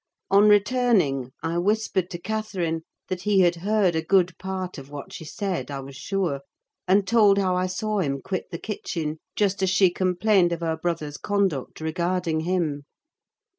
On returning, I whispered to Catherine that he had heard a good part of what she said, I was sure; and told how I saw him quit the kitchen just as she complained of her brother's conduct regarding him.